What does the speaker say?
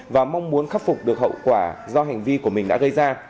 và mong muốn khắc phục được hậu quả do hành vi của mình đã gây ra